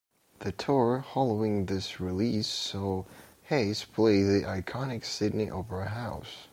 The tour following this release saw Hayes play the iconic Sydney Opera House.